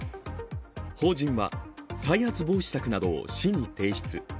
法人は再発防止策などを市に提出。